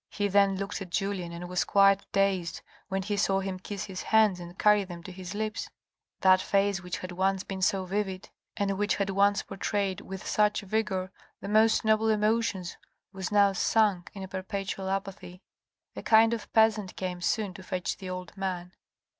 He then looked at Julien, and was quite dazed when he saw him kiss his hands and carry them to his A TURRET 473 lips. That face which had once been so vivid, and which had once portrayed with such vigour the most noble emotions was now sunk in a perpetual apathy. A kind of peasant came soon to fetch the old man.